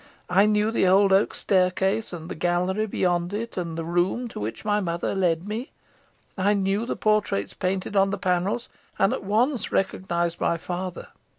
I knew the old oak staircase, and the gallery beyond it, and the room to which my mother led me. I knew the portraits painted on the panels, and at once recognised my father.